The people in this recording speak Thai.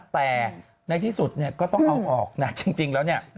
แต่ในที่สุดก็ต้องเอาออกนะจริงแล้วเนี่ย